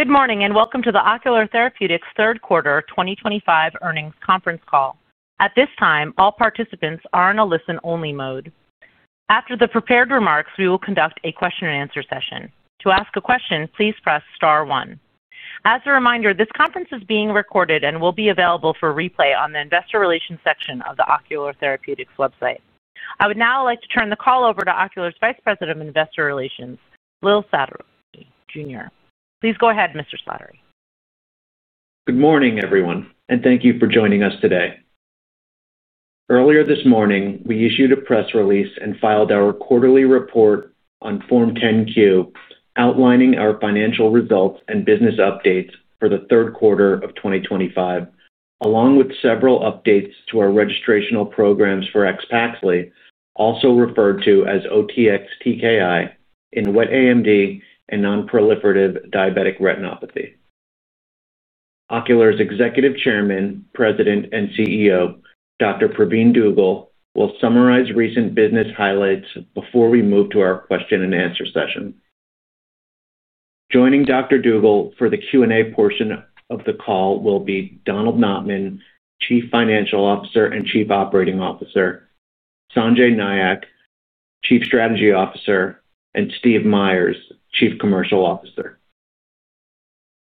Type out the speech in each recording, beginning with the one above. Good morning and welcome to the Ocular Therapeutix third quarter 2025 earnings conference call. At this time, all participants are in a listen-only mode. After the prepared remarks, we will conduct a question-and-answer session. To ask a question, please press *1. As a reminder, this conference is being recorded and will be available for replay on the investor relations section of the Ocular Therapeutix website. I would now like to turn the call over to Ocular's Vice President of Investor Relations, Bill Slattery, Jr. Please go ahead, Mr. Slattery. Good morning, everyone, and thank you for joining us today. Earlier this morning, we issued a press release and filed our quarterly report on Form 10-Q outlining our financial results and business updates for the third quarter of 2025, along with several updates to our registrational programs for XPAXLY, also referred to as OTX-TKI, in wet AMD, and Nonproliferative Diabetic Retinopathy. Ocular's Executive Chairman, President, and CEO, Dr. Pravin Dugel, will summarize recent business highlights before we move to our question-and-answer session. Joining Dr. Dugel for the Q&A portion of the call will be Donald Notman, Chief Financial Officer and Chief Operating Officer; Sanjay Nayak, Chief Strategy Officer; and Steve Meyers, Chief Commercial Officer.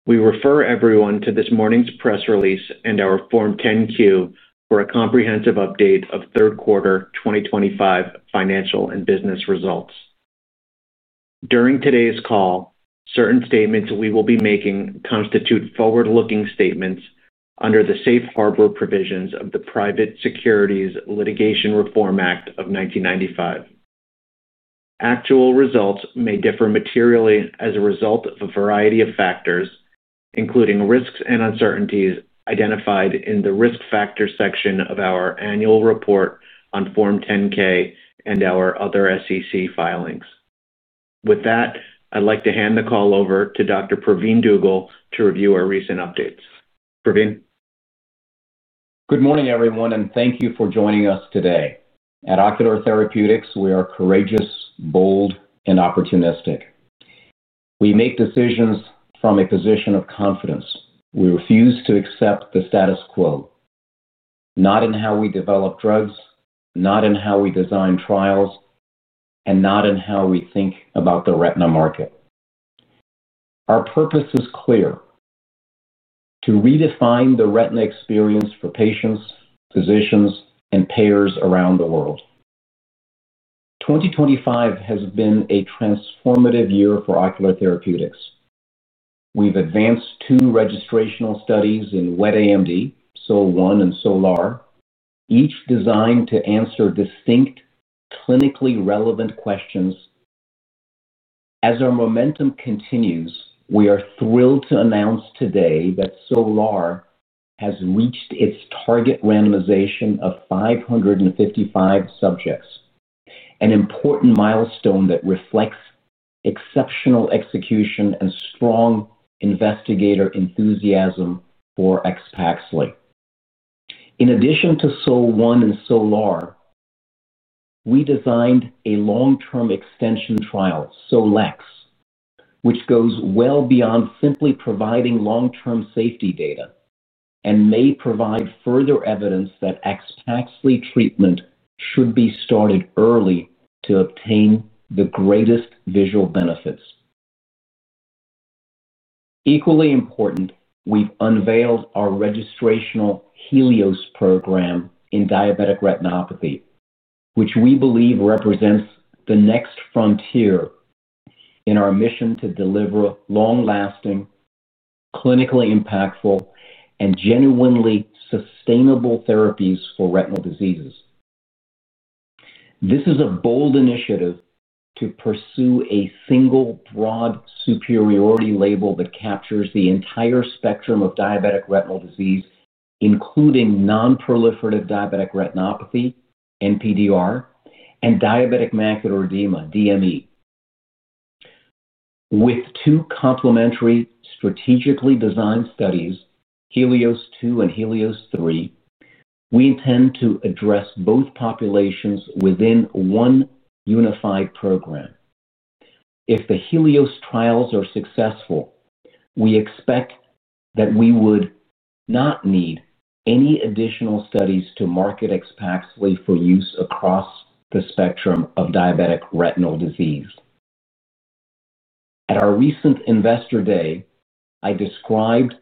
We refer everyone to this morning's press release and our Form 10-Q for a comprehensive update of third quarter 2025 financial and business results. During today's call, certain statements we will be making constitute forward-looking statements under the safe harbor provisions of the Private Securities Litigation Reform Act of 1995. Actual results may differ materially as a result of a variety of factors, including risks and uncertainties identified in the risk factor section of our annual report on Form 10-K and our other SEC filings. With that, I'd like to hand the call over to Dr. Pravin Dugel to review our recent updates. Pravin? Good morning, everyone, and thank you for joining us today. At Ocular Therapeutix, we are courageous, bold, and opportunistic. We make decisions from a position of confidence. We refuse to accept the status quo. Not in how we develop drugs, not in how we design trials, and not in how we think about the retina market. Our purpose is clear. To redefine the retina experience for patients, physicians, and payers around the world. 2025 has been a transformative year for Ocular Therapeutix. We've advanced two registrational studies in Wet AMD, SOL1, and SOLAR, each designed to answer distinct, clinically relevant questions. As our momentum continues, we are thrilled to announce today that SOLAR has reached its target randomization of 555 subjects, an important milestone that reflects exceptional execution and strong investigator enthusiasm for XPAXLY. In addition to SOL1 and SOLAR. We designed a long-term extension trial, SOLEX, which goes well beyond simply providing long-term safety data and may provide further evidence that XPAXLY treatment should be started early to obtain the greatest visual benefits. Equally important, we've unveiled our registrational Helios program in diabetic retinopathy, which we believe represents the next frontier. In our mission to deliver long-lasting, clinically impactful, and genuinely sustainable therapies for retinal diseases. This is a bold initiative to pursue a single broad superiority label that captures the entire spectrum of diabetic retinal disease, including nonproliferative diabetic retinopathy (NPDR) and diabetic macular edema (DME). With two complementary, strategically designed studies, Helios 2 and Helios 3, we intend to address both populations within one unified program. If the Helios trials are successful, we expect that we would not need any additional studies to market XPAXLY for use across the spectrum of diabetic retinal disease. At our recent investor day, I described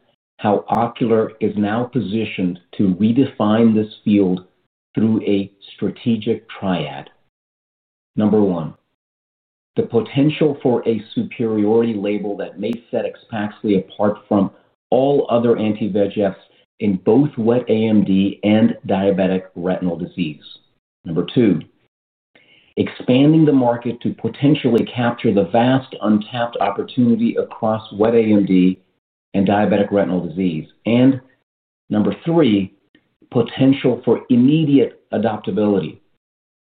how Ocular is now positioned to redefine this field through a strategic triad. Number one. The potential for a superiority label that may set XPAXLY apart from all other anti-VEGFs in both Wet AMD and diabetic retinal disease. Number two. Expanding the market to potentially capture the vast untapped opportunity across Wet AMD and diabetic retinal disease. Number three, potential for immediate adoptability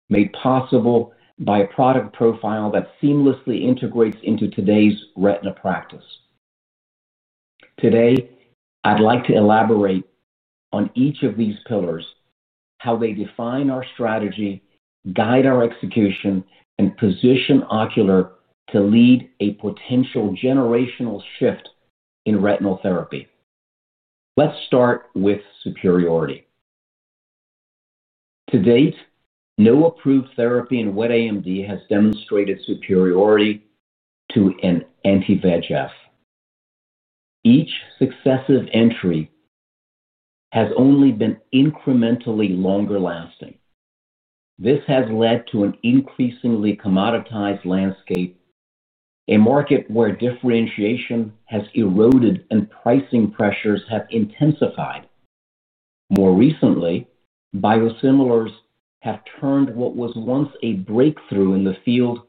made possible by a product profile that seamlessly integrates into today's retina practice. Today, I'd like to elaborate on each of these pillars, how they define our strategy, guide our execution, and position Ocular to lead a potential generational shift in retinal therapy. Let's start with superiority. To date, no approved therapy in Wet AMD has demonstrated superiority to an anti-VEGF. Each successive entry. Has only been incrementally longer lasting. This has led to an increasingly commoditized landscape, a market where differentiation has eroded and pricing pressures have intensified. More recently, biosimilars have turned what was once a breakthrough in the field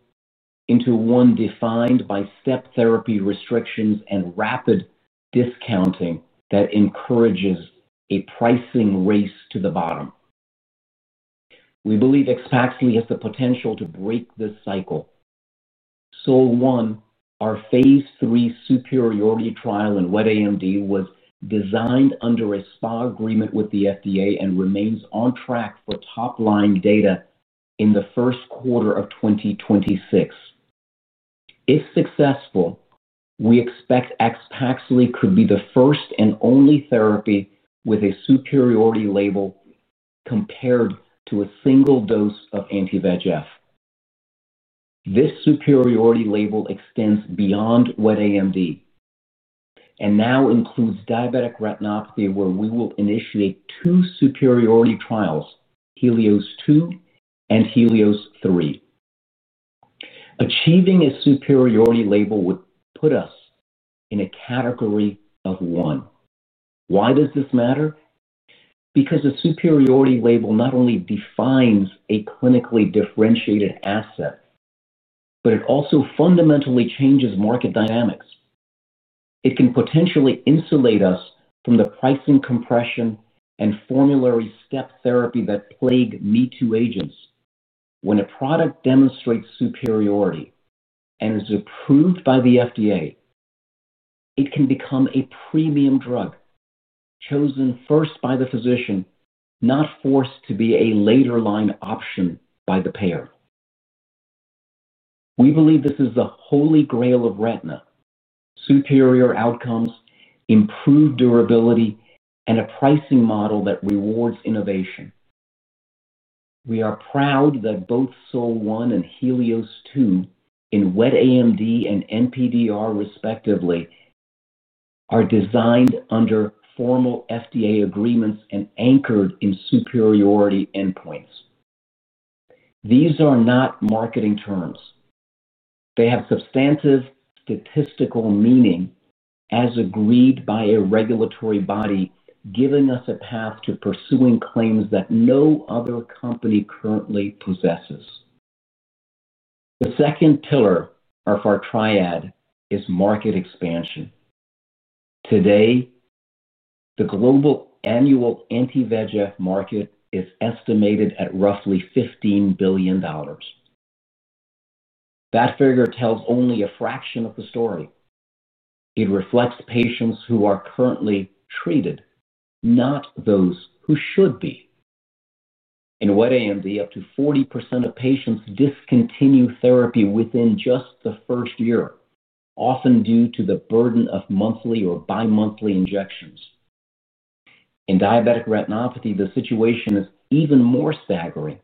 into one defined by step therapy restrictions and rapid discounting that encourages a pricing race to the bottom. We believe XPAXLY has the potential to break this cycle. SOL1, our phase three superiority trial in Wet AMD, was designed under a SPA agreement with the FDA and remains on track for topline data in the first quarter of 2026. If successful, we expect XPAXLY could be the first and only therapy with a superiority label compared to a single dose of anti-VEGF. This superiority label extends beyond Wet AMD and now includes diabetic retinopathy, where we will initiate two superiority trials, Helios 2 and Helios 3. Achieving a superiority label would put us in a category of one. Why does this matter? Because a superiority label not only defines a clinically differentiated asset, but it also fundamentally changes market dynamics. It can potentially insulate us from the pricing compression and formulary step therapy that plague me-too agents. When a product demonstrates superiority and is approved by the FDA, it can become a premium drug chosen first by the physician, not forced to be a later-line option by the payer. We believe this is the Holy Grail of retina: superior outcomes, improved durability, and a pricing model that rewards innovation. We are proud that both SOL1 and Helios 2, in Wet AMD and NPDR respectively, are designed under formal FDA agreements and anchored in superiority endpoints. These are not marketing terms. They have substantive statistical meaning as agreed by a regulatory body, giving us a path to pursuing claims that no other company currently possesses. The second pillar of our triad is market expansion. Today, the global annual anti-VEGF market is estimated at roughly $15 billion. That figure tells only a fraction of the story. It reflects patients who are currently treated, not those who should be. In Wet AMD, up to 40% of patients discontinue therapy within just the first year, often due to the burden of monthly or bi-monthly injections. In diabetic retinopathy, the situation is even more staggering: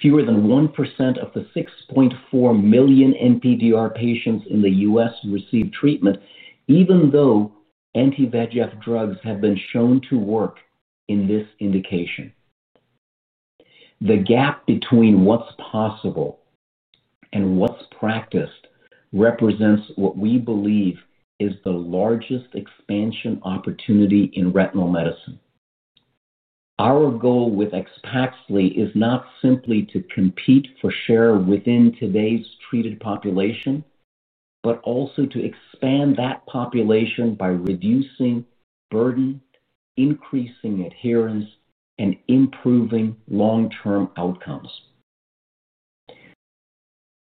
fewer than 1% of the 6.4 million NPDR patients in the U.S. receive treatment, even though anti-VEGF drugs have been shown to work in this indication. The gap between what's possible and what's practiced represents what we believe is the largest expansion opportunity in retinal medicine. Our goal with XPAXLY is not simply to compete for share within today's treated population, but also to expand that population by reducing burden, increasing adherence, and improving long-term outcomes.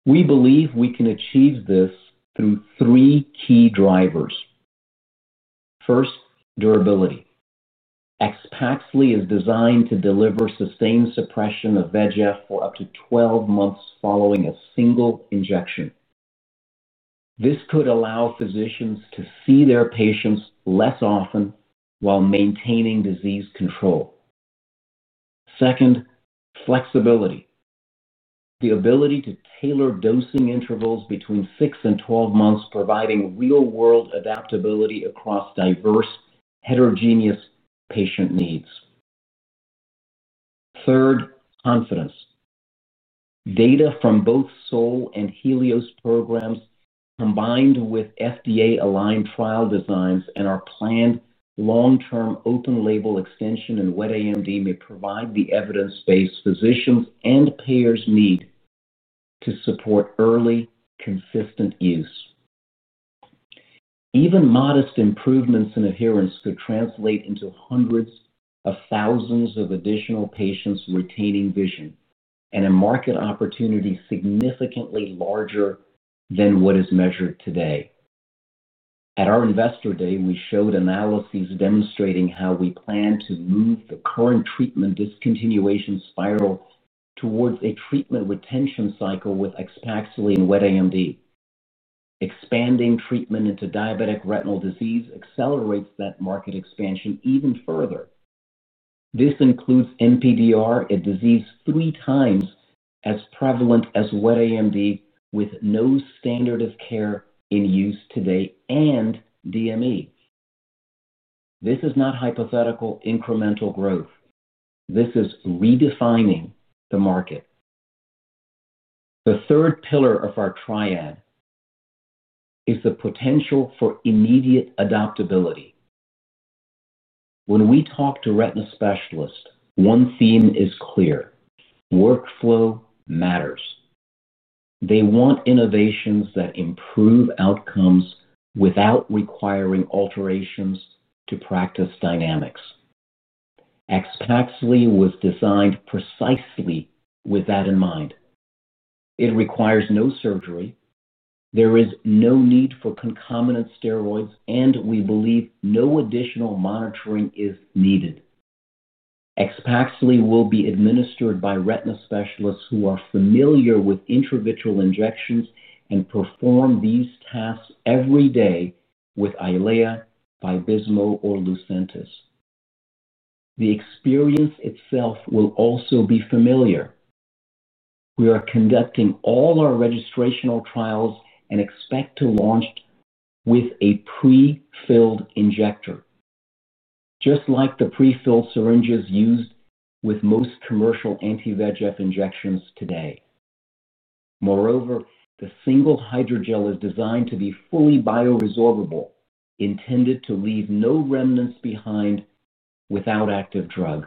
We believe we can achieve this through three key drivers. First, durability. XPAXLY is designed to deliver sustained suppression of VEGF for up to 12 months following a single injection. This could allow physicians to see their patients less often while maintaining disease control. Second, flexibility. The ability to tailor dosing intervals between six and 12 months, providing real-world adaptability across diverse, heterogeneous patient needs. Third, confidence. Data from both SOL and Helios programs, combined with FDA-aligned trial designs and our planned long-term open-label extension in Wet AMD, may provide the evidence base physicians and payers need to support early, consistent use. Even modest improvements in adherence could translate into hundreds of thousands of additional patients retaining vision and a market opportunity significantly larger than what is measured today. At our investor day, we showed analyses demonstrating how we plan to move the current treatment discontinuation spiral towards a treatment retention cycle with XPAXLY in Wet AMD. Expanding treatment into diabetic retinal disease accelerates that market expansion even further. This includes NPDR, a disease three times as prevalent as Wet AMD, with no standard of care in use today and DME. This is not hypothetical incremental growth. This is redefining the market. The third pillar of our triad is the potential for immediate adoptability. When we talk to retina specialists, one theme is clear: workflow matters. They want innovations that improve outcomes without requiring alterations to practice dynamics. XPAXLY was designed precisely with that in mind. It requires no surgery. There is no need for concomitant steroids, and we believe no additional monitoring is needed. XPAXLY will be administered by retina specialists who are familiar with intravitreal injections and perform these tasks every day with Eylea, Vabysmo, or Lucentis. The experience itself will also be familiar. We are conducting all our registrational trials and expect to launch with a prefilled injector. Just like the prefilled syringes used with most commercial anti-VEGF injections today. Moreover, the single hydrogel is designed to be fully bioresorbable, intended to leave no remnants behind without active drug.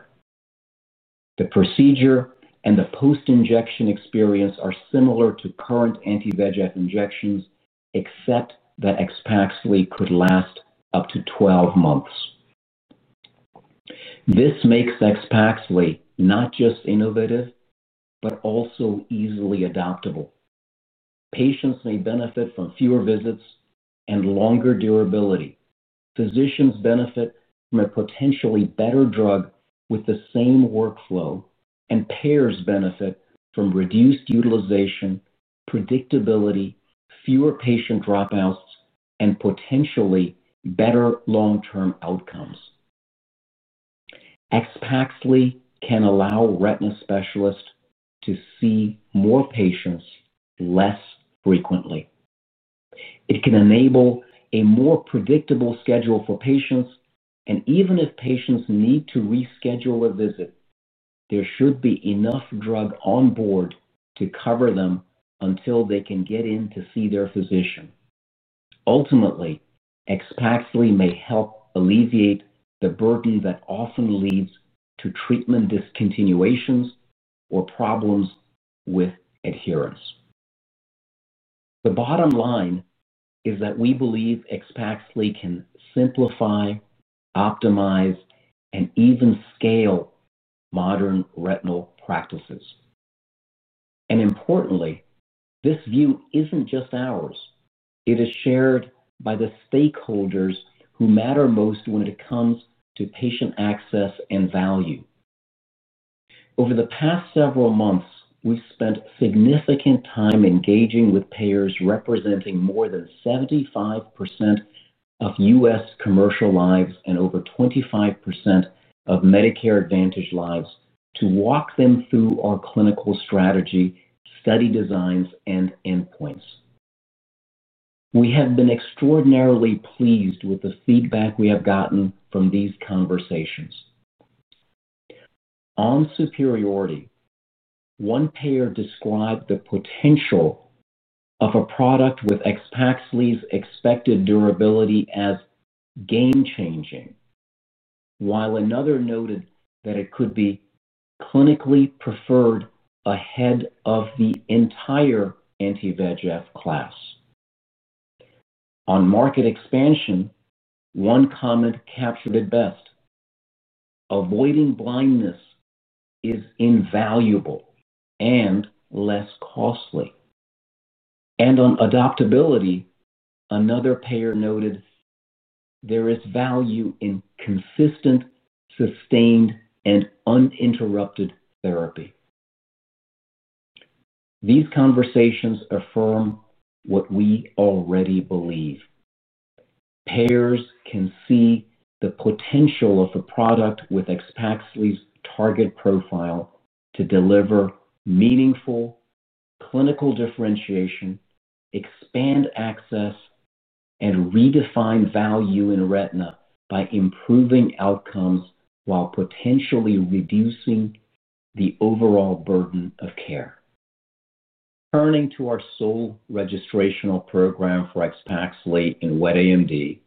The procedure and the post-injection experience are similar to current anti-VEGF injections, except that XPAXLY could last up to 12 months. This makes XPAXLY not just innovative, but also easily adoptable. Patients may benefit from fewer visits and longer durability. Physicians benefit from a potentially better drug with the same workflow, and payers benefit from reduced utilization, predictability, fewer patient dropouts, and potentially better long-term outcomes. XPAXLY can allow retina specialists to see more patients less frequently. It can enable a more predictable schedule for patients, and even if patients need to reschedule a visit, there should be enough drug on board to cover them until they can get in to see their physician. Ultimately, XPAXLY may help alleviate the burden that often leads to treatment discontinuations or problems with adherence. The bottom line is that we believe XPAXLY can simplify, optimize, and even scale modern retinal practices. Importantly, this view isn't just ours. It is shared by the stakeholders who matter most when it comes to patient access and value. Over the past several months, we've spent significant time engaging with payers representing more than 75% of U.S. commercial lives and over 25% of Medicare Advantage lives to walk them through our clinical strategy, study designs, and endpoints. We have been extraordinarily pleased with the feedback we have gotten from these conversations. On superiority, one payer described the potential of a product with XPAXLY's expected durability as game-changing, while another noted that it could be clinically preferred ahead of the entire anti-VEGF class. On market expansion, one comment captured it best. "Avoiding blindness. Is invaluable and less costly." On adoptability, another payer noted, "There is value in consistent, sustained, and uninterrupted therapy." These conversations affirm what we already believe. Payers can see the potential of the product with XPAXLY's target profile to deliver meaningful clinical differentiation, expand access, and redefine value in retina by improving outcomes while potentially reducing the overall burden of care. Turning to our SOL registrational program for XPAXLY in Wet AMD,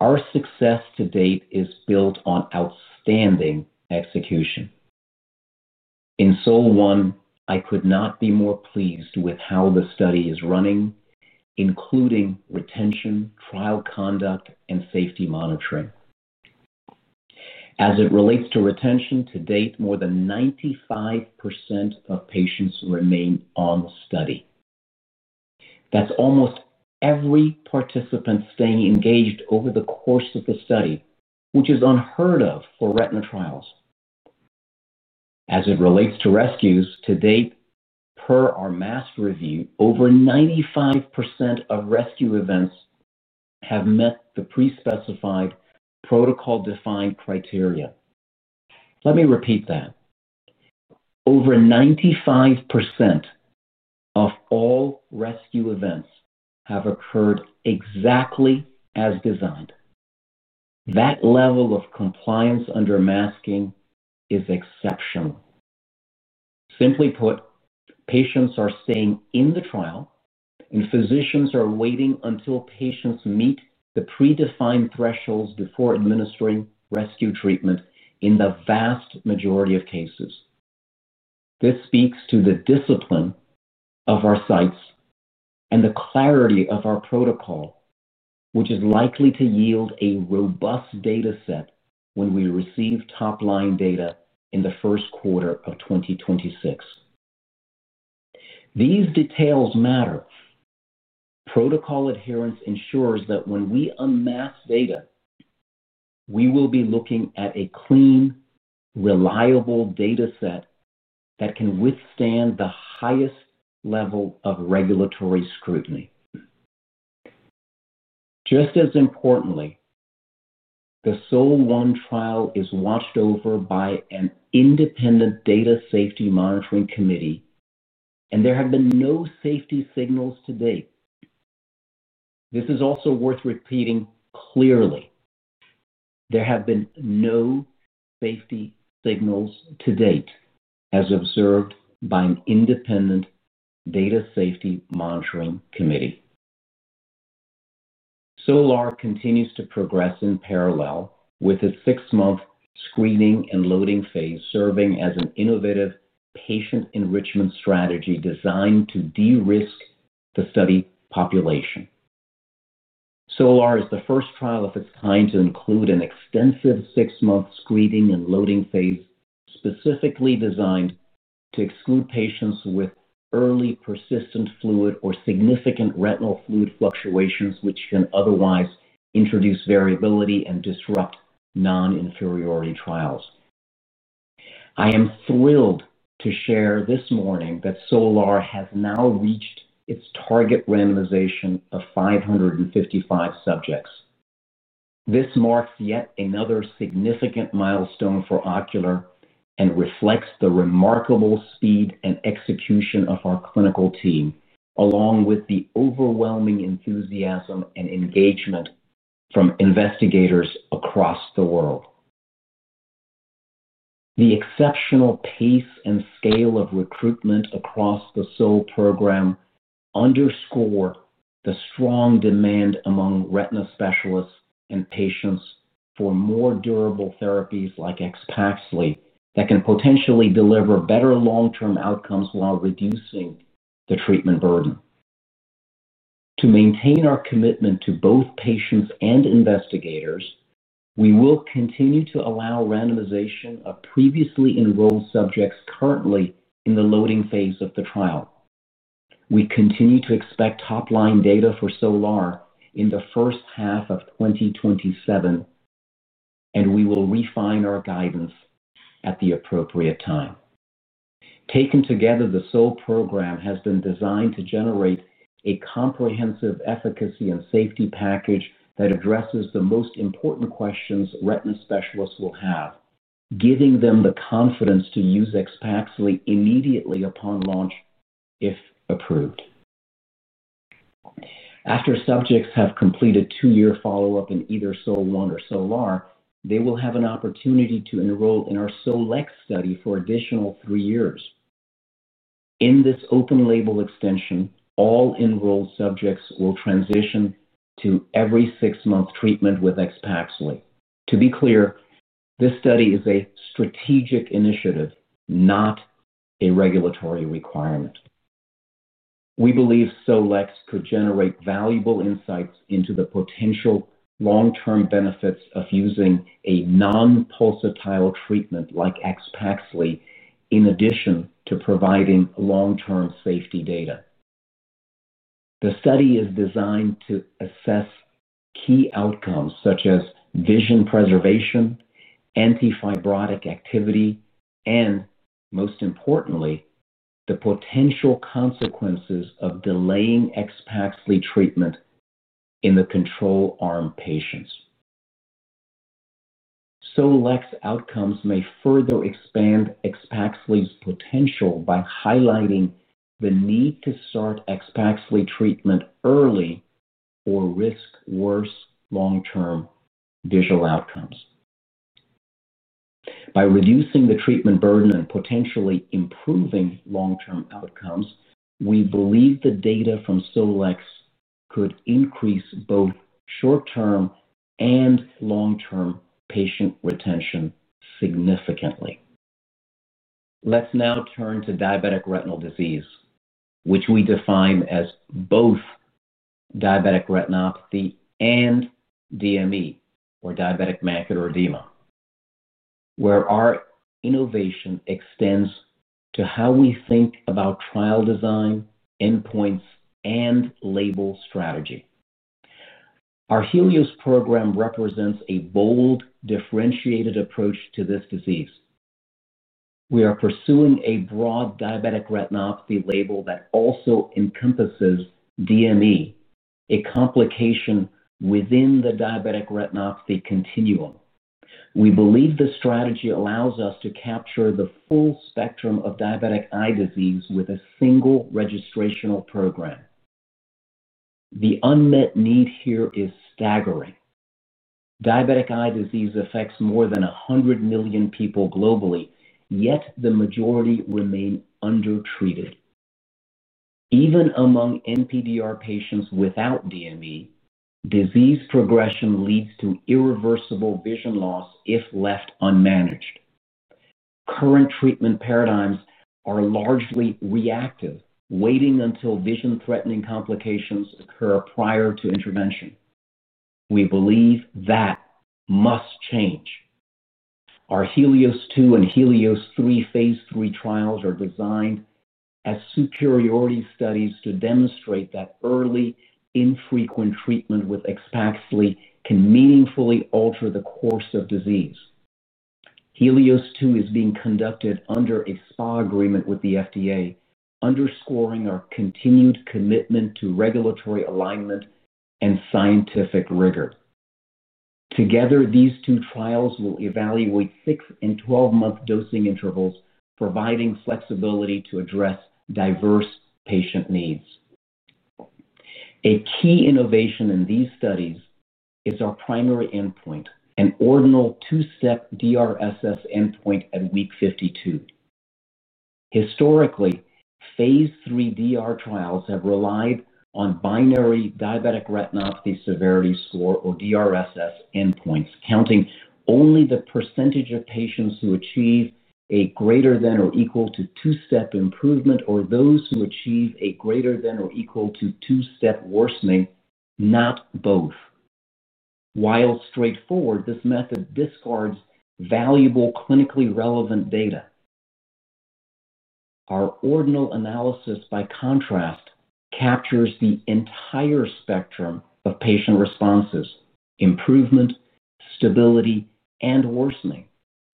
our success to date is built on outstanding execution. In SOL1, I could not be more pleased with how the study is running, including retention, trial conduct, and safety monitoring. As it relates to retention to date, more than 95% of patients remain on the study. That's almost every participant staying engaged over the course of the study, which is unheard of for retina trials. As it relates to rescues to date, per our mass review, over 95% of rescue events have met the prespecified protocol-defined criteria. Let me repeat that. Over 95% of all rescue events have occurred exactly as designed. That level of compliance under masking is exceptional. Simply put, patients are staying in the trial, and physicians are waiting until patients meet the predefined thresholds before administering rescue treatment in the vast majority of cases. This speaks to the discipline of our sites and the clarity of our protocol, which is likely to yield a robust data set when we receive top-line data in the first quarter of 2026. These details matter. Protocol adherence ensures that when we unmask data, we will be looking at a clean, reliable data set that can withstand the highest level of regulatory scrutiny. Just as importantly, the SOL1 trial is watched over by an independent data safety monitoring committee, and there have been no safety signals to date. This is also worth repeating clearly. There have been no safety signals to date as observed by an independent data safety monitoring committee. SOLAR continues to progress in parallel with its six-month screening and loading phase, serving as an innovative patient enrichment strategy designed to de-risk the study population. SOLAR is the first trial of its kind to include an extensive six-month screening and loading phase specifically designed to exclude patients with early persistent fluid or significant retinal fluid fluctuations, which can otherwise introduce variability and disrupt non-inferiority trials. I am thrilled to share this morning that SOLAR has now reached its target randomization of 555 subjects. This marks yet another significant milestone for Ocular and reflects the remarkable speed and execution of our clinical team, along with the overwhelming enthusiasm and engagement from investigators across the world. The exceptional pace and scale of recruitment across the SOL program underscore the strong demand among retina specialists and patients for more durable therapies like XPAXLY that can potentially deliver better long-term outcomes while reducing the treatment burden. To maintain our commitment to both patients and investigators, we will continue to allow randomization of previously enrolled subjects currently in the loading phase of the trial. We continue to expect top-line data for SOLAR in the first half of 2027. We will refine our guidance at the appropriate time. Taken together, the SOL program has been designed to generate a comprehensive efficacy and safety package that addresses the most important questions retina specialists will have, giving them the confidence to use XPAXLY immediately upon launch if approved. After subjects have completed two-year follow-up in either SOL1 or SOLAR, they will have an opportunity to enroll in our SOLx study for an additional three years. In this open-label extension, all enrolled subjects will transition to every six-month treatment with XPAXLY. To be clear, this study is a strategic initiative, not a regulatory requirement. We believe SOLx could generate valuable insights into the potential long-term benefits of using a non-pulsatile treatment like XPAXLY in addition to providing long-term safety data. The study is designed to assess key outcomes such as vision preservation, antifibrotic activity, and most importantly, the potential consequences of delaying XPAXLY treatment in the control arm patients. SOLx outcomes may further expand XPAXLY's potential by highlighting the need to start XPAXLY treatment early or risk worse long-term visual outcomes. By reducing the treatment burden and potentially improving long-term outcomes, we believe the data from SOLx could increase both short-term and long-term patient retention significantly. Let's now turn to diabetic retinal disease, which we define as both diabetic retinopathy and DME, or diabetic macular edema, where our innovation extends to how we think about trial design, endpoints, and label strategy. Our Helios program represents a bold, differentiated approach to this disease. We are pursuing a broad diabetic retinopathy label that also encompasses DME, a complication within the diabetic retinopathy continuum. We believe the strategy allows us to capture the full spectrum of diabetic eye disease with a single registrational program. The unmet need here is staggering. Diabetic eye disease affects more than 100 million people globally, yet the majority remain undertreated. Even among NPDR patients without DME, disease progression leads to irreversible vision loss if left unmanaged. Current treatment paradigms are largely reactive, waiting until vision-threatening complications occur prior to intervention. We believe that must change. Our Helios 2 and Helios 3 phase 3 trials are designed as superiority studies to demonstrate that early, infrequent treatment with XPAXLY can meaningfully alter the course of disease. Helios 2 is being conducted under a SPA agreement with the FDA, underscoring our continued commitment to regulatory alignment and scientific rigor. Together, these two trials will evaluate 6 and 12-month dosing intervals, providing flexibility to address diverse patient needs. A key innovation in these studies is our primary endpoint, an ordinal two-step DRSS endpoint at week 52. Historically, phase 3 DR trials have relied on binary diabetic retinopathy severity score, or DRSS, endpoints, counting only the percentage of patients who achieve a greater than or equal to two-step improvement or those who achieve a greater than or equal to two-step worsening, not both. While straightforward, this method discards valuable clinically relevant data. Our ordinal analysis, by contrast, captures the entire spectrum of patient responses: improvement, stability, and worsening,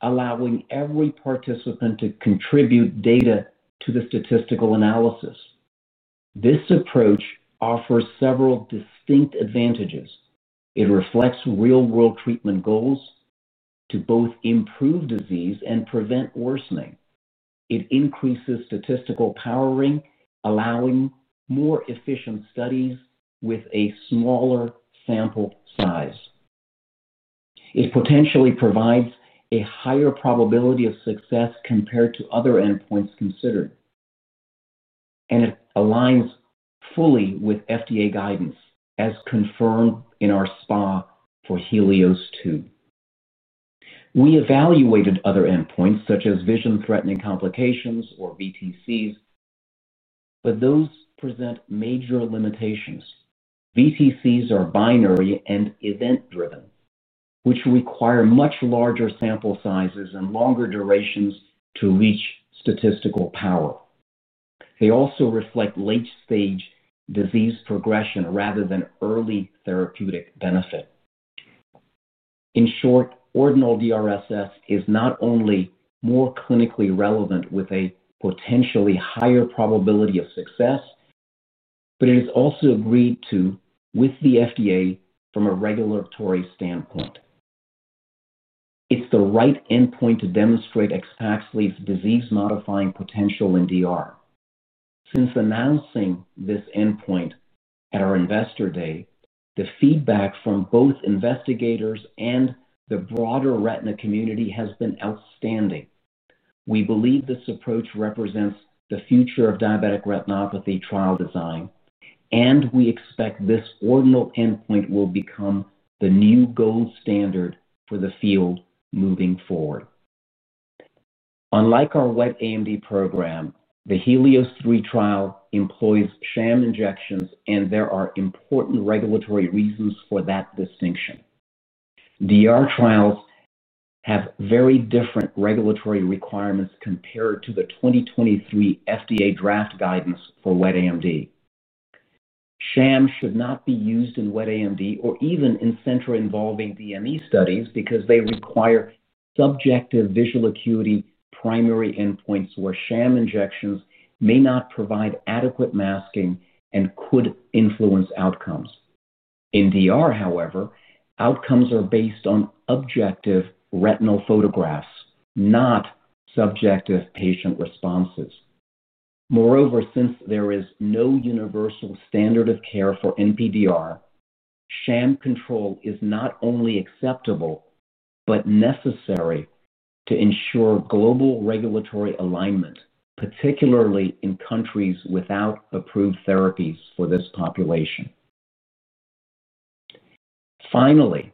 allowing every participant to contribute data to the statistical analysis. This approach offers several distinct advantages. It reflects real-world treatment goals to both improve disease and prevent worsening. It increases statistical powering, allowing more efficient studies with a smaller sample size. It potentially provides a higher probability of success compared to other endpoints considered. It aligns fully with FDA guidance, as confirmed in our SPA for Helios 2. We evaluated other endpoints such as vision-threatening complications, or VTCs. Those present major limitations. VTCs are binary and event-driven, which require much larger sample sizes and longer durations to reach statistical power. They also reflect late-stage disease progression rather than early therapeutic benefit. In short, ordinal DRSS is not only more clinically relevant with a potentially higher probability of success. It is also agreed to with the FDA from a regulatory standpoint. It's the right endpoint to demonstrate XPAXLY's disease-modifying potential in DR. Since announcing this endpoint at our investor day, the feedback from both investigators and the broader retina community has been outstanding. We believe this approach represents the future of diabetic retinopathy trial design, and we expect this ordinal endpoint will become the new gold standard for the field moving forward. Unlike our Wet AMD program, the Helios 3 trial employs sham injections, and there are important regulatory reasons for that distinction. DR trials have very different regulatory requirements compared to the 2023 FDA draft guidance for Wet AMD. Sham should not be used in Wet AMD or even in center-involving DME studies because they require subjective visual acuity primary endpoints, where sham injections may not provide adequate masking and could influence outcomes. In DR, however, outcomes are based on objective retinal photographs, not subjective patient responses. Moreover, since there is no universal standard of care for NPDR, sham control is not only acceptable but necessary to ensure global regulatory alignment, particularly in countries without approved therapies for this population. Finally,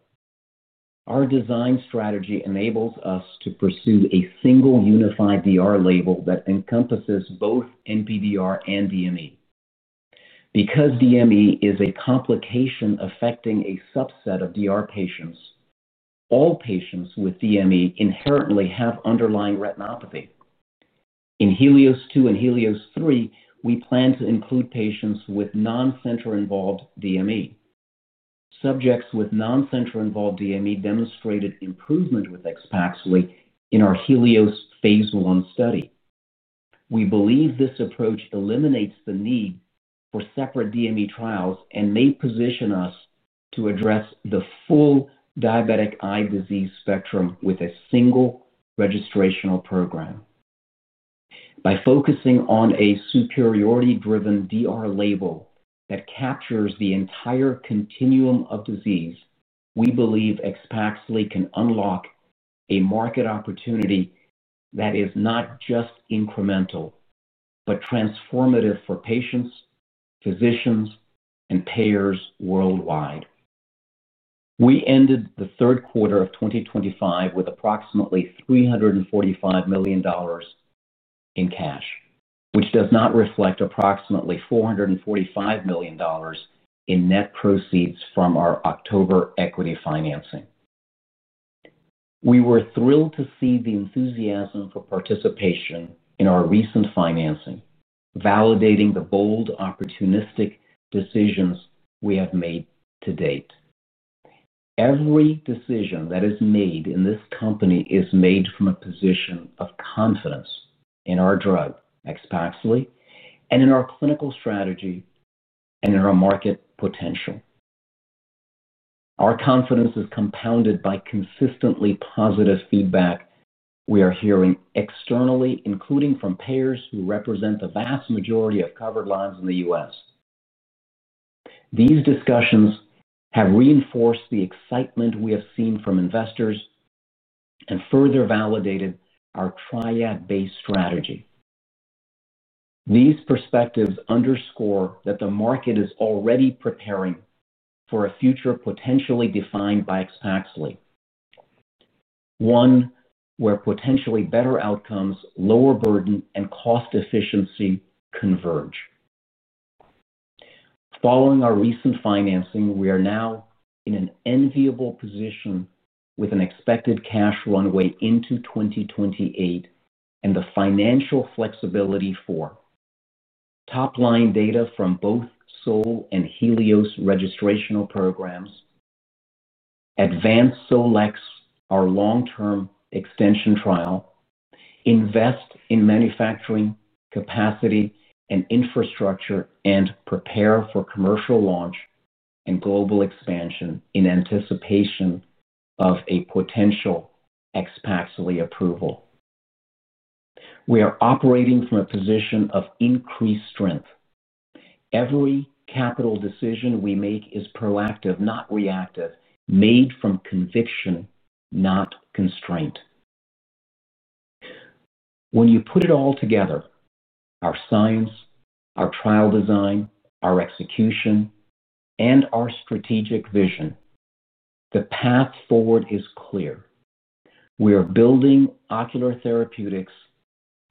our design strategy enables us to pursue a single unified DR label that encompasses both NPDR and DME. Because DME is a complication affecting a subset of DR patients, all patients with DME inherently have underlying retinopathy. In Helios 2 and Helios 3, we plan to include patients with non-center-involved DME. Subjects with non-center-involved DME demonstrated improvement with XPAXLY in our Helios phase 1 study. We believe this approach eliminates the need for separate DME trials and may position us to address the full diabetic eye disease spectrum with a single registrational program. By focusing on a superiority-driven DR label that captures the entire continuum of disease, we believe XPAXLY can unlock a market opportunity that is not just incremental but transformative for patients, physicians, and payers worldwide. We ended the third quarter of 2025 with approximately $345 million in cash, which does not reflect approximately $445 million in net proceeds from our October equity financing. We were thrilled to see the enthusiasm for participation in our recent financing, validating the bold opportunistic decisions we have made to date. Every decision that is made in this company is made from a position of confidence in our drug, XPAXLY, and in our clinical strategy, and in our market potential. Our confidence is compounded by consistently positive feedback we are hearing externally, including from payers who represent the vast majority of covered lines in the U.S. These discussions have reinforced the excitement we have seen from investors and further validated our triad-based strategy. These perspectives underscore that the market is already preparing for a future potentially defined by XPAXLY, one where potentially better outcomes, lower burden, and cost efficiency converge. Following our recent financing, we are now in an enviable position with an expected cash runway into 2028 and the financial flexibility for top-line data from both SOL and Helios registrational programs. Advance SOLx our long-term extension trial. Invest in manufacturing capacity and infrastructure, and prepare for commercial launch and global expansion in anticipation of a potential XPAXLY approval. We are operating from a position of increased strength. Every capital decision we make is proactive, not reactive, made from conviction, not constraint. When you put it all together, our science, our trial design, our execution, and our strategic vision, the path forward is clear. We are building Ocular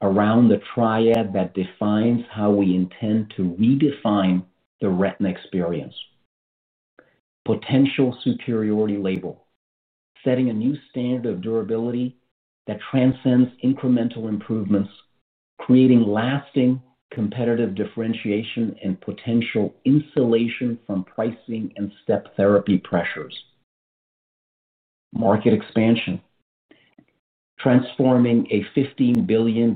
Therapeutix around the triad that defines how we intend to redefine the retina experience. Potential superiority label, setting a new standard of durability that transcends incremental improvements, creating lasting competitive differentiation and potential insulation from pricing and step therapy pressures. Market expansion, transforming a $15 billion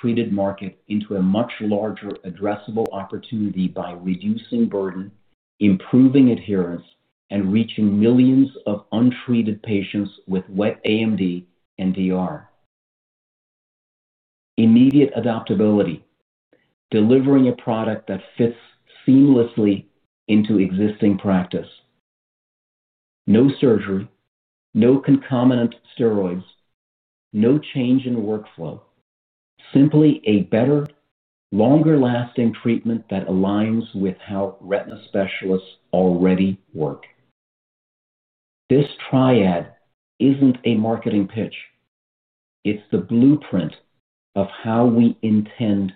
treated market into a much larger addressable opportunity by reducing burden, improving adherence, and reaching millions of untreated patients with Wet AMD and DR. Immediate adaptability, delivering a product that fits seamlessly into existing practice. No surgery, no concomitant steroids, no change in workflow. Simply a better, longer-lasting treatment that aligns with how retina specialists already work. This triad isn't a marketing pitch. It's the blueprint of how we intend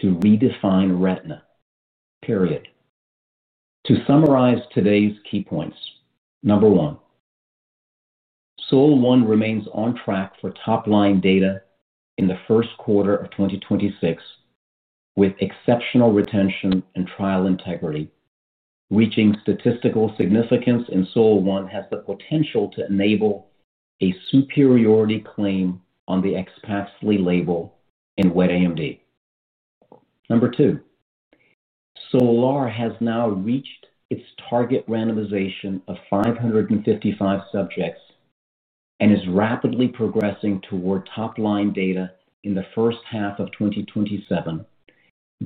to redefine retina. Period. To summarize today's key points: Number one, SOL1 remains on track for top-line data in the first quarter of 2026. With exceptional retention and trial integrity reaching statistical significance, SOL1 has the potential to enable a superiority claim on the XPAXLY label in Wet AMD. Number two, SOLAR has now reached its target randomization of 555 subjects and is rapidly progressing toward top-line data in the first half of 2027.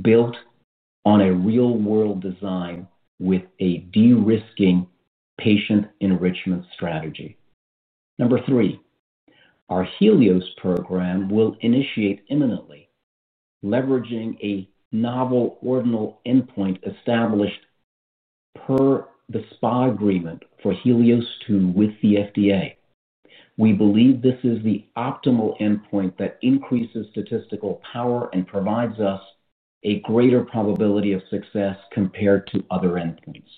Built on a real-world design with a de-risking patient enrichment strategy. Number three. Our Helios program will initiate imminently, leveraging a novel ordinal endpoint established per the SPA agreement for Helios 2 with the FDA. We believe this is the optimal endpoint that increases statistical power and provides us a greater probability of success compared to other endpoints.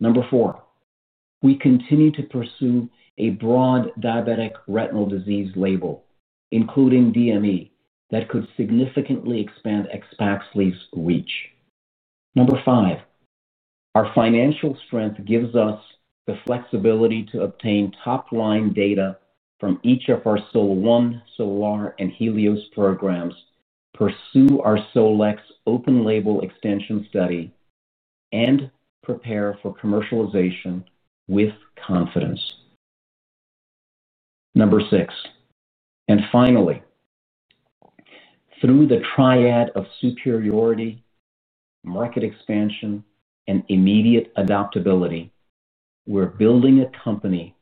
Number four. We continue to pursue a broad diabetic retinal disease label, including DME, that could significantly expand XPAXLY's reach. Number five. Our financial strength gives us the flexibility to obtain top-line data from each of our SOL1, SOLAR, and Helios programs, pursue our SOLx open label extension study, and prepare for commercialization with confidence. Number six. Finally. Through the triad of superiority. Market expansion, and immediate adaptability, we're building a company.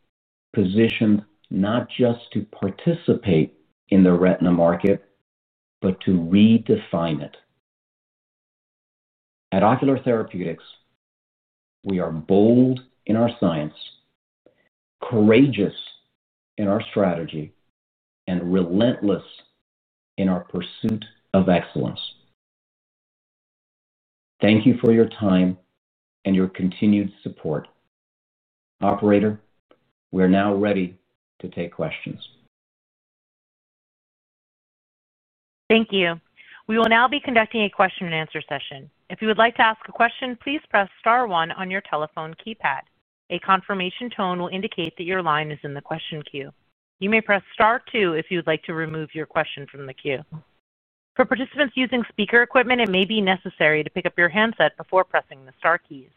Positioned not just to participate in the retina market but to redefine it. At Ocular Therapeutix. We are bold in our science. Courageous in our strategy, and relentless. In our pursuit of excellence. Thank you for your time and your continued support. Operator, we are now ready to take questions. Thank you. We will now be conducting a question-and-answer session. If you would like to ask a question, please press *1 on your telephone keypad. A confirmation tone will indicate that your line is in the question queue. You may press *2 if you would like to remove your question from the queue. For participants using speaker equipment, it may be necessary to pick up your handset before pressing the * keys.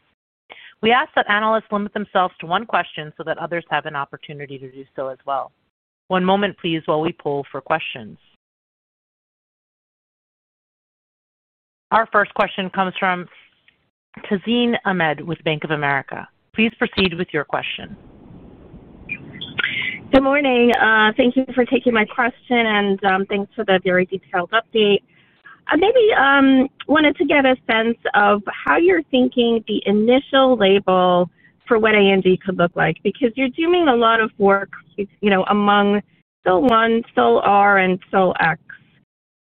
We ask that panelists limit themselves to one question so that others have an opportunity to do so as well. One moment, please, while we pull for questions. Our first question comes from Tazeen Ahmed with Bank of America. Please proceed with your question. Good morning. Thank you for taking my question, and thanks for the very detailed update. I maybe wanted to get a sense of how you're thinking the initial label for Wet AMD could look like because you're doing a lot of work. Among SOL1, SOLAR, and SOLx.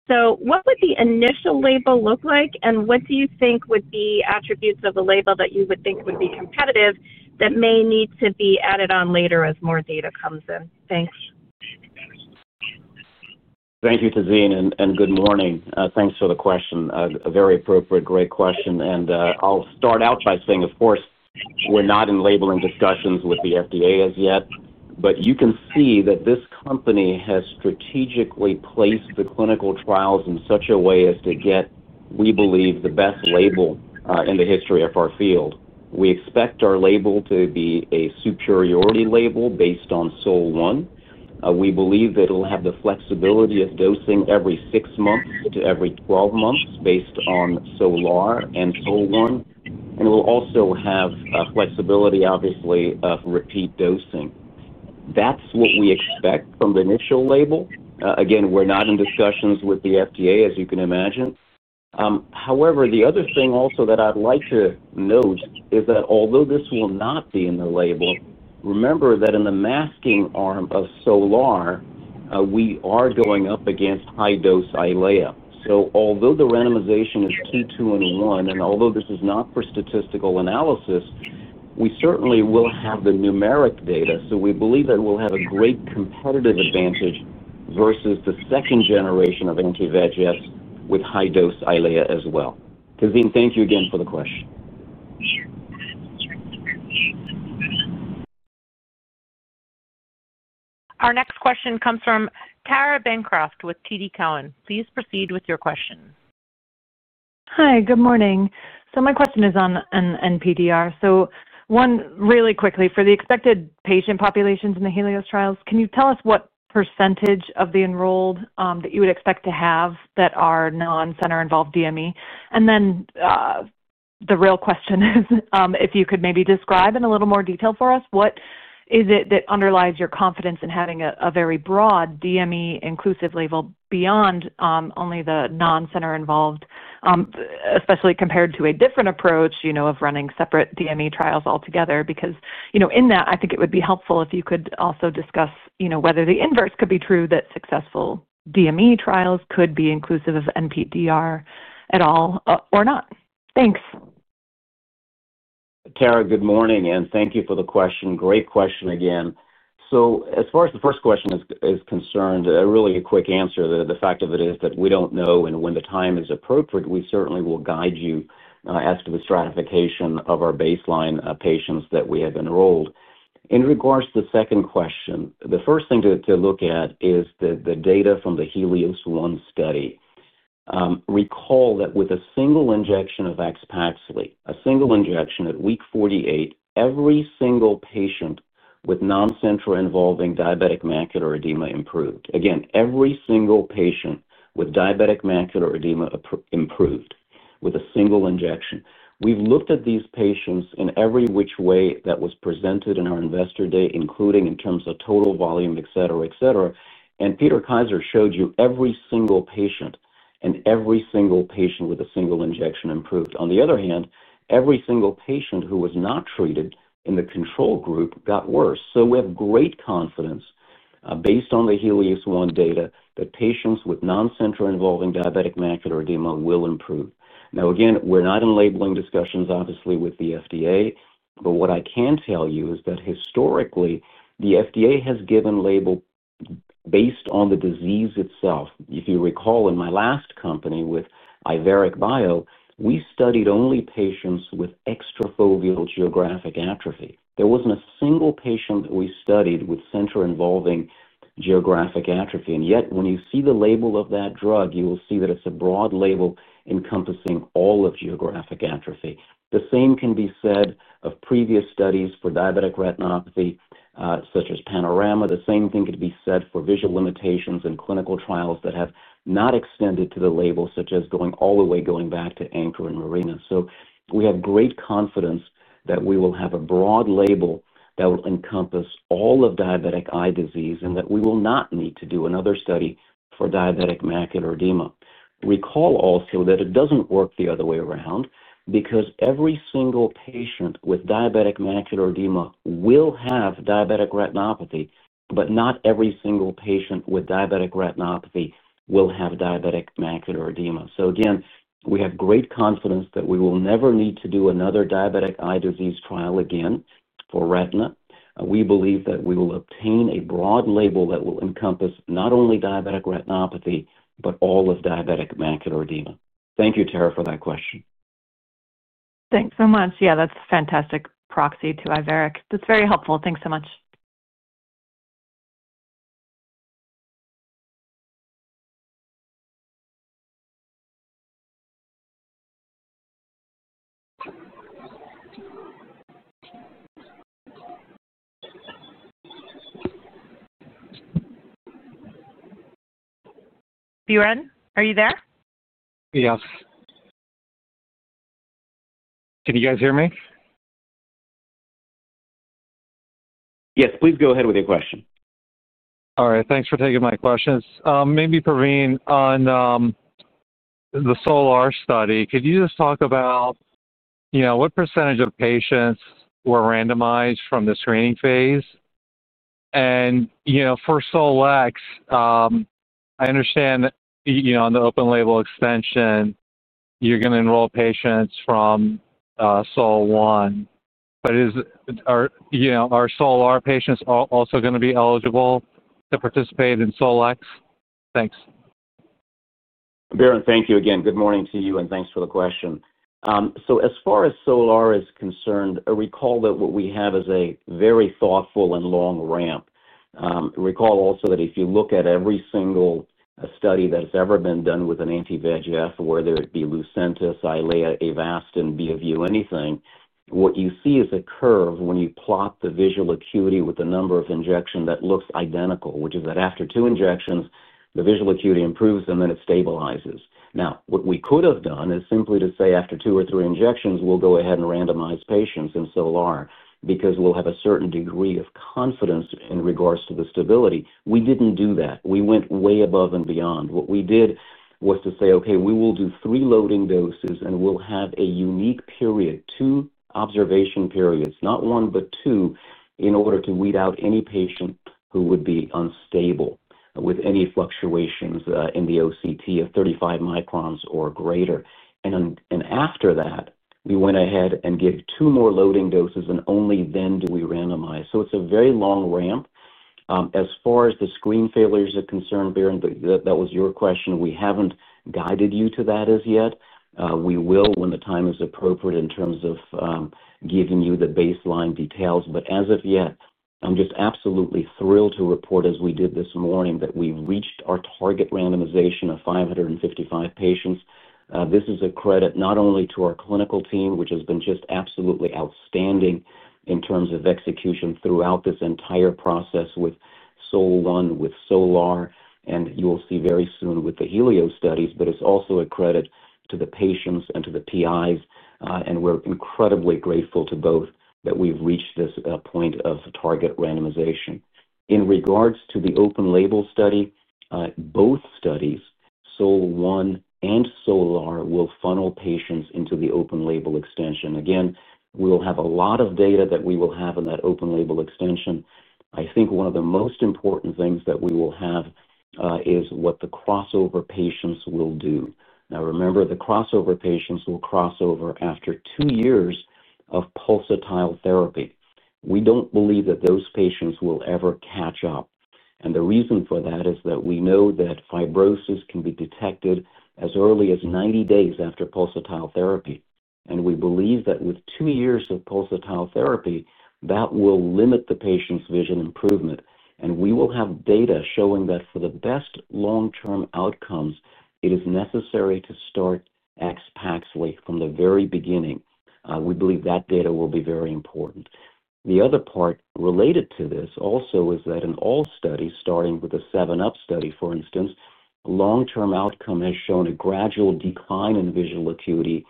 So what would the initial label look like, and what do you think would be attributes of the label that you would think would be competitive that may need to be added on later as more data comes in? Thanks. Thank you, Tazeen, and good morning. Thanks for the question. A very appropriate, great question. I'll start out by saying, of course, we're not in labeling discussions with the FDA as yet, but you can see that this company has strategically placed the clinical trials in such a way as to get, we believe, the best label in the history of our field. We expect our label to be a superiority label based on SOL1. We believe that it'll have the flexibility of dosing every six months to every 12 months based on SOLAR and SOL1. It will also have flexibility, obviously, of repeat dosing. That's what we expect from the initial label. Again, we're not in discussions with the FDA, as you can imagine. However, the other thing also that I'd like to note is that although this will not be in the label, remember that in the masking arm of SOLAR. We are going up against high-dose Eylea. So although the randomization is two to one, and although this is not for statistical analysis, we certainly will have the numeric data. So we believe that we'll have a great competitive advantage versus the second generation of anti-VEGFs with high-dose Eylea as well. Tazeen, thank you again for the question. Our next question comes from Tara Bancroft with TD Cowen. Please proceed with your question. Hi, good morning. My question is on NPDR. One really quickly, for the expected patient populations in the Helios trials, can you tell us what percentage of the enrolled that you would expect to have that are non-center-involved DME? And then the real question is if you could maybe describe in a little more detail for us what is it that underlies your confidence in having a very broad DME-inclusive label beyond only the non-center-involved. Especially compared to a different approach of running separate DME trials altogether? Because in that, I think it would be helpful if you could also discuss whether the inverse could be true, that successful DME trials could be inclusive of NPDR at all or not. Thanks. Tara, good morning, and thank you for the question. Great question again. So as far as the first question is concerned, really a quick answer, the fact of it is that we don't know when the time is appropriate. We certainly will guide you as to the stratification of our baseline patients that we have enrolled. In regards to the second question, the first thing to look at is the data from the Helios 1 study. Recall that with a single injection of XPAXLY, a single injection at week 48, every single patient with non-center-involving diabetic macular edema improved. Again, every single patient with diabetic macular edema improved with a single injection. We've looked at these patients in every which way that was presented in our investor day, including in terms of total volume, etc., etc. Peter Kaiser showed you every single patient and every single patient with a single injection improved. On the other hand, every single patient who was not treated in the control group got worse. So we have great confidence. Based on the Helios 1 data that patients with non-center-involving diabetic macular edema will improve. Now, again, we're not in labeling discussions, obviously, with the FDA, but what I can tell you is that historically, the FDA has given label. Based on the disease itself. If you recall, in my last company with Iveric Bio, we studied only patients with extrafoveal geographic atrophy. There wasn't a single patient that we studied with center-involving geographic atrophy. And yet, when you see the label of that drug, you will see that it's a broad label encompassing all of geographic atrophy. The same can be said of previous studies for diabetic retinopathy such as Panorama. The same thing could be said for visual limitations in clinical trials that have not extended to the label, such as going all the way going back to Anchor and Marina. We have great confidence that we will have a broad label that will encompass all of diabetic eye disease and that we will not need to do another study for diabetic macular edema. Recall also that it doesn't work the other way around because every single patient with diabetic macular edema will have diabetic retinopathy, but not every single patient with diabetic retinopathy will have diabetic macular edema. Again, we have great confidence that we will never need to do another diabetic eye disease trial again for retina. We believe that we will obtain a broad label that will encompass not only diabetic retinopathy but all of diabetic macular edema. Thank you, Tara, for that question. Thanks so much. Yeah, that's a fantastic proxy to Iveric Bio. That's very helpful. Thanks so much. Burean, are you there? Yes. Can you guys hear me? Yes, please go ahead with your question. All right. Thanks for taking my questions. Maybe Pravin, on the SOLAR study, could you just talk about what percentage of patients were randomized from the screening phase? And for SOLx, I understand on the open label extension, you're going to enroll patients from SOL1. But are SOLAR patients also going to be eligible to participate in SOLx? Thanks. Burean, thank you again. Good morning to you, and thanks for the question. As far as SOLAR is concerned, recall that what we have is a very thoughtful and long ramp. Recall also that if you look at every single study that has ever been done with an anti-VEGF, whether it be Lucentis, Eylea, Avastin, Bovu, anything, what you see is a curve when you plot the visual acuity with the number of injections that looks identical, which is that after two injections, the visual acuity improves and then it stabilizes. Now, what we could have done is simply to say after two or three injections, we'll go ahead and randomize patients in SOLAR because we'll have a certain degree of confidence in regards to the stability. We didn't do that. We went way above and beyond. What we did was to say, "Okay, we will do three loading doses, and we'll have a unique period, two observation periods, not one, but two, in order to weed out any patient who would be unstable with any fluctuations in the OCT of 35 microns or greater." After that, we went ahead and gave two more loading doses, and only then did we randomize. It's a very long ramp. As far as the screen failures are concerned, Burean, that was your question. We haven't guided you to that as yet. We will when the time is appropriate in terms of giving you the baseline details. But as of yet, I'm just absolutely thrilled to report, as we did this morning, that we've reached our target randomization of 555 patients. This is a credit not only to our clinical team, which has been just absolutely outstanding in terms of execution throughout this entire process with SOL1, with SOLAR, and you will see very soon with the Helios studies, but it's also a credit to the patients and to the PIs. We're incredibly grateful to both that we've reached this point of target randomization. In regards to the open label study, both studies, SOL1 and SOLAR, will funnel patients into the open label extension. Again, we'll have a lot of data that we will have in that open label extension. I think one of the most important things that we will have is what the crossover patients will do. Now, remember, the crossover patients will crossover after two years of pulsatile therapy. We don't believe that those patients will ever catch up. The reason for that is that we know that fibrosis can be detected as early as 90 days after pulsatile therapy. We believe that with two years of pulsatile therapy, that will limit the patient's vision improvement. We will have data showing that for the best long-term outcomes, it is necessary to start XPAXLY from the very beginning. We believe that data will be very important. The other part related to this also is that in all studies, starting with the Seven Up study, for instance, long-term outcome has shown a gradual decline in visual acuity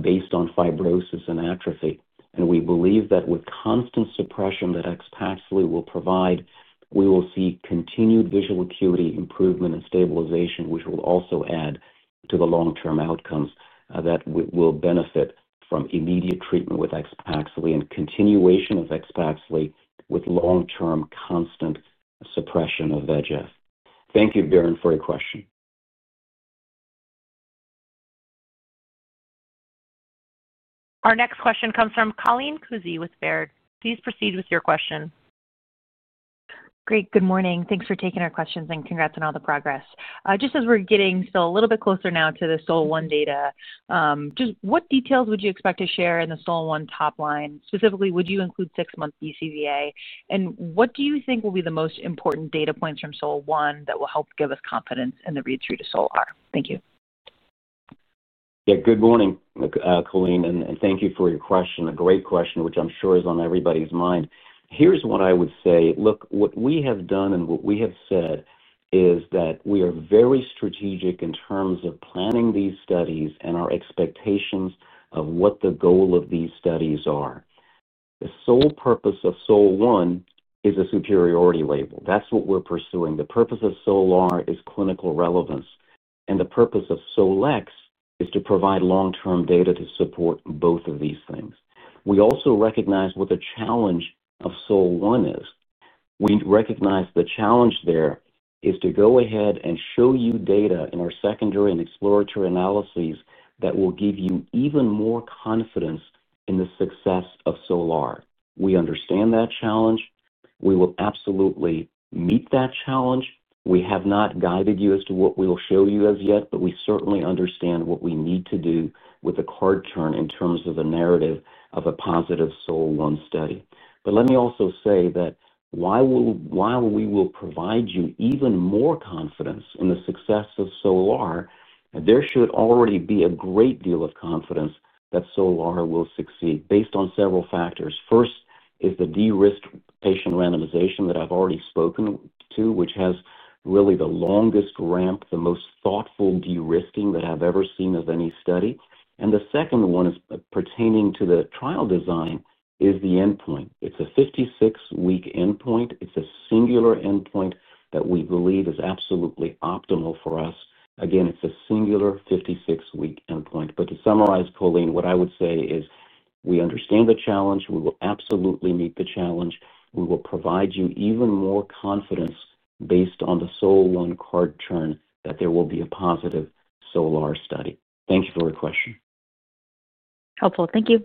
based on fibrosis and atrophy. We believe that with constant suppression that XPAXLY will provide, we will see continued visual acuity improvement and stabilization, which will also add to the long-term outcomes that will benefit from immediate treatment with XPAXLY and continuation of XPAXLY with long-term constant suppression of VEGF. Thank you, Burean, for your question. Our next question comes from Colleen Kusy with Baird. Please proceed with your question. Great. Good morning. Thanks for taking our questions and congrats on all the progress. Just as we're getting still a little bit closer now to the SOL1 data, just what details would you expect to share in the SOL1 topline? Specifically, would you include six-month BCVA? And what do you think will be the most important data points from SOL1 that will help give us confidence in the read-through to SOLAR? Thank you. Yeah, good morning, Colleen, and thank you for your question. A great question, which I'm sure is on everybody's mind. Here's what I would say. Look, what we have done and what we have said is that we are very strategic in terms of planning these studies and our expectations of what the goal of these studies are. The sole purpose of SOL1 is a superiority label. That's what we're pursuing. The purpose of SOLAR is clinical relevance. The purpose of SOLx is to provide long-term data to support both of these things. We also recognize what the challenge of SOL1 is. We recognize the challenge there is to go ahead and show you data in our secondary and exploratory analyses that will give you even more confidence in the success of SOLAR. We understand that challenge. We will absolutely meet that challenge. We have not guided you as to what we will show you as yet, but we certainly understand what we need to do with a card turn in terms of the narrative of a positive SOL1 study. Let me also say that while we will provide you even more confidence in the success of SOLAR, there should already be a great deal of confidence that SOLAR will succeed based on several factors. First is the de-risk patient randomization that I've already spoken to, which has really the longest ramp, the most thoughtful de-risking that I've ever seen of any study. The second one pertaining to the trial design is the endpoint. It's a 56-week endpoint. It's a singular endpoint that we believe is absolutely optimal for us. Again, it's a singular 56-week endpoint. To summarize, Colleen, what I would say is we understand the challenge. We will absolutely meet the challenge. We will provide you even more confidence based on the SOL1 card turn that there will be a positive SOLAR study. Thank you for your question. Helpful. Thank you.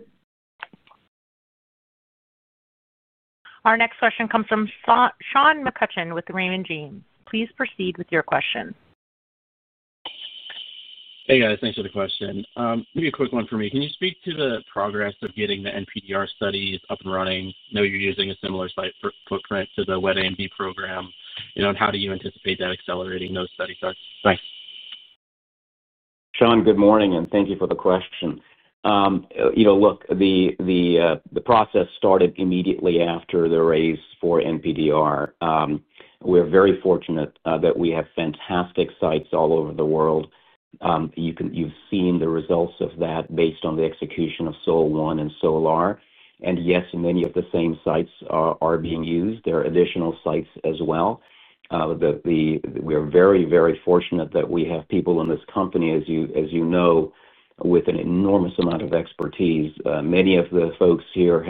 Our next question comes from Sean McCutchen with Raymond James. Please proceed with your question. Hey, guys. Thanks for the question. Maybe a quick one for me. Can you speak to the progress of getting the NPDR studies up and running? I know you're using a similar site footprint to the Wet AMD program. And how do you anticipate that accelerating those studies? Thanks. Sean, good morning, and thank you for the question. Look, the process started immediately after the raise for NPDR. We are very fortunate that we have fantastic sites all over the world. You've seen the results of that based on the execution of SOL1 and SOLAR. Yes, many of the same sites are being used. There are additional sites as well. We are very, very fortunate that we have people in this company, as you know, with an enormous amount of expertise. Many of the folks here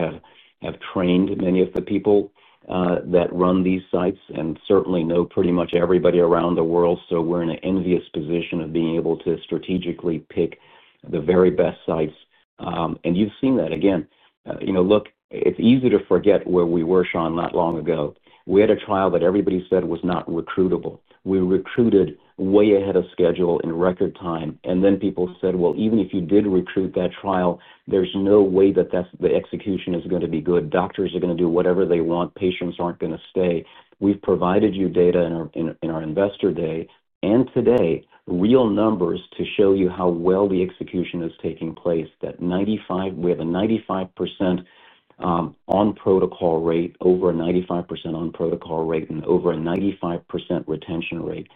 have trained many of the people that run these sites and certainly know pretty much everybody around the world. So we're in an envious position of being able to strategically pick the very best sites. You've seen that. Again, look, it's easy to forget where we were, Sean, not long ago. We had a trial that everybody said was not recruitable. We recruited way ahead of schedule in record time. Then people said, "Well, even if you did recruit that trial, there's no way that the execution is going to be good. Doctors are going to do whatever they want. Patients aren't going to stay." We've provided you data in our investor day and today, real numbers to show you how well the execution is taking place. We have a 95% on-protocol rate, over a 95% on-protocol rate, and over a 95% retention rate.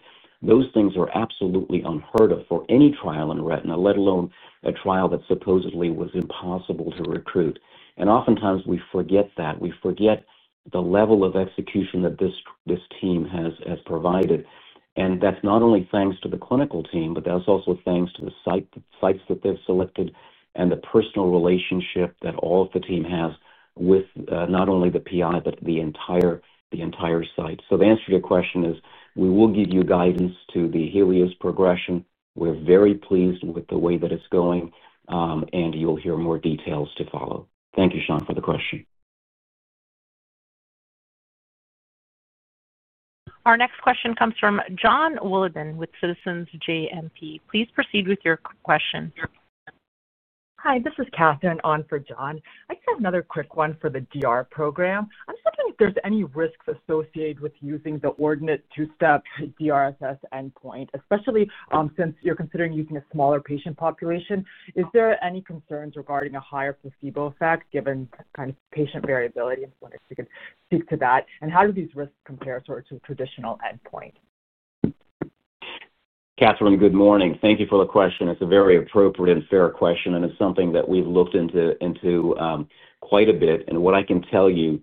Those things are absolutely unheard of for any trial in retina, let alone a trial that supposedly was impossible to recruit. Oftentimes, we forget that. We forget the level of execution that this team has provided. That's not only thanks to the clinical team, but that's also thanks to the sites that they've selected and the personal relationship that all of the team has with not only the PI, but the entire site. So the answer to your question is we will give you guidance to the Helios progression. We're very pleased with the way that it's going, and you'll hear more details to follow. Thank you, Sean, for the question. Our next question comes from John Willedon with Citizens JMP. Please proceed with your question. Hi, this is Catherine on for Jon. I just have another quick one for the DR program. I'm wondering if there's any risks associated with using the ordinal two-step DRSS endpoint, especially since you're considering using a smaller patient population. Is there any concerns regarding a higher placebo effect given kind of patient variability? I wonder if you could speak to that. And how do these risks compare sort of to a traditional endpoint? Catherine, good morning. Thank you for the question. It's a very appropriate and fair question, and it's something that we've looked into quite a bit. What I can tell you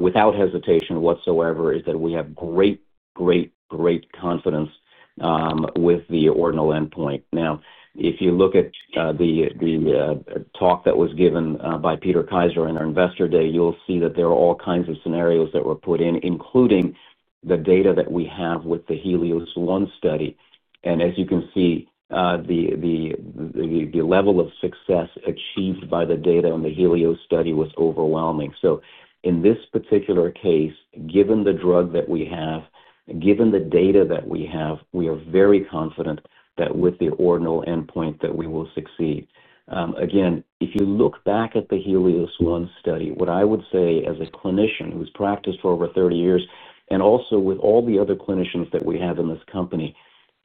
without hesitation whatsoever is that we have great, great, great confidence with the ordinal endpoint. Now, if you look at the talk that was given by Peter Kaiser in our investor day, you'll see that there are all kinds of scenarios that were put in, including the data that we have with the Helios one study. As you can see, the level of success achieved by the data in the Helios study was overwhelming. So in this particular case, given the drug that we have, given the data that we have, we are very confident that with the ordinal endpoint, that we will succeed. Again, if you look back at the Helios one study, what I would say as a clinician who's practiced for over 30 years and also with all the other clinicians that we have in this company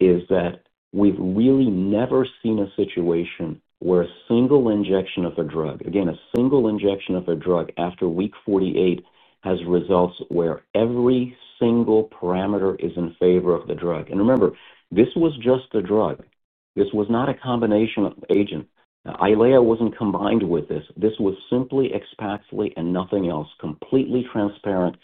is that we've really never seen a situation where a single injection of a drug, again, a single injection of a drug after week 48 has results where every single parameter is in favor of the drug. Remember, this was just the drug. This was not a combination of agents. Eylea wasn't combined with this. This was simply XPAXLY and nothing else, completely transparent.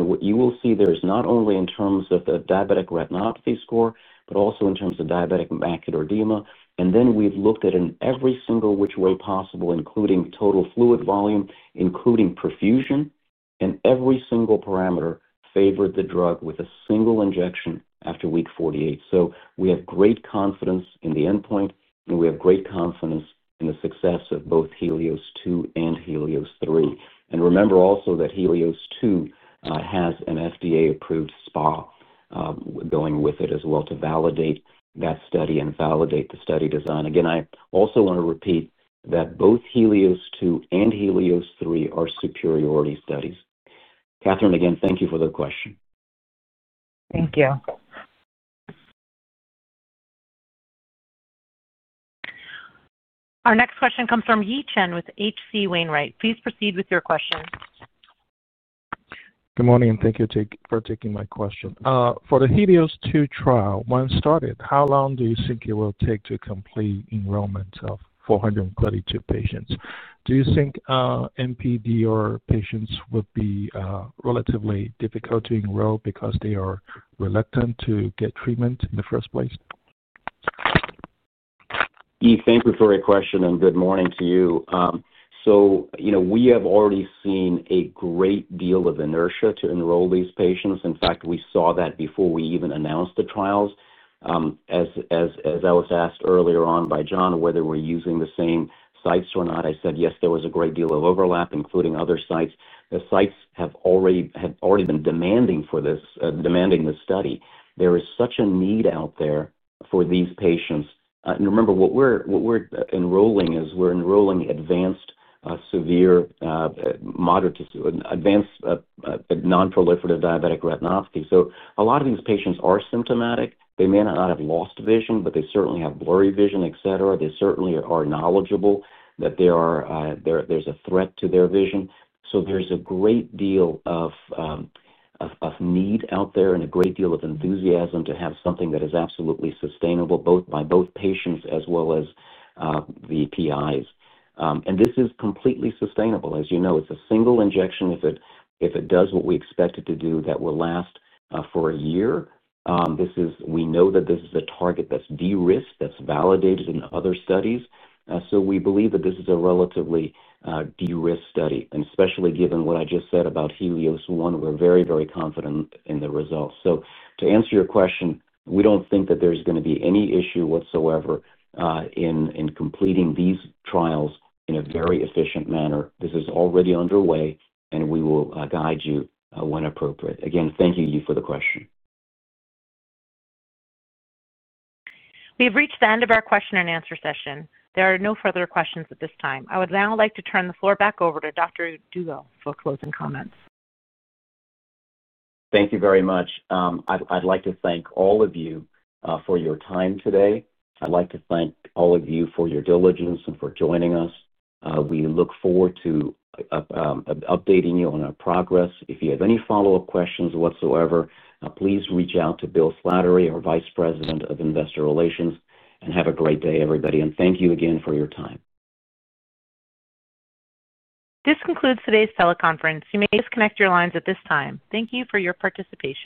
What you will see there is not only in terms of the diabetic retinopathy score, but also in terms of diabetic macular edema. Then we've looked at every single which way possible, including total fluid volume, including perfusion, and every single parameter favored the drug with a single injection after week 48. So we have great confidence in the endpoint, and we have great confidence in the success of both Helios 2 and Helios 3. Remember also that Helios 2 has an FDA-approved SPA going with it as well to validate that study and validate the study design. Again, I also want to repeat that both Helios 2 and Helios 3 are superiority studies. Catherine, again, thank you for the question. Thank you. Our next question comes from Yi Chen with H.C. Wainwright. Please proceed with your question. Good morning. Thank you for taking my question. For the Helios 2 trial, once started, how long do you think it will take to complete enrollment of 432 patients? Do you think NPDR patients would be relatively difficult to enroll because they are reluctant to get treatment in the first place? Thank you for your question and good morning to you. We have already seen a great deal of inertia to enroll these patients. In fact, we saw that before we even announced the trials. As I was asked earlier on by John whether we're using the same sites or not, I said yes, there was a great deal of overlap, including other sites. The sites have already been demanding this study. There is such a need out there for these patients. And remember, what we're enrolling is we're enrolling advanced severe. Advanced. Nonproliferative Diabetic Retinopathy. A lot of these patients are symptomatic. They may not have lost vision, but they certainly have blurry vision, etc. They certainly are knowledgeable that there's a threat to their vision. There's a great deal of need out there and a great deal of enthusiasm to have something that is absolutely sustainable, both by patients as well as the PIs. And this is completely sustainable. As you know, it's a single injection. If it does what we expect it to do, that will last for a year. We know that this is a target that's de-risked, that's validated in other studies. We believe that this is a relatively de-risked study. And especially given what I just said about Helios 1, we're very, very confident in the results. To answer your question, we don't think that there's going to be any issue whatsoever in completing these trials in a very efficient manner. This is already underway, and we will guide you when appropriate. Again, thank you Yi for the question. We have reached the end of our question and answer session. There are no further questions at this time. I would now like to turn the floor back over to Dr. Dugel for closing comments. Thank you very much. I'd like to thank all of you for your time today. I'd like to thank all of you for your diligence and for joining us. We look forward to updating you on our progress. If you have any follow-up questions whatsoever, please reach out to Bill Slattery, our Vice President of Investor Relations, and have a great day, everybody. Thank you again for your time. This concludes today's teleconference. You may disconnect your lines at this time. Thank you for your participation.